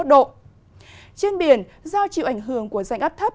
trên biển do chịu ảnh hưởng của dạnh áp thấp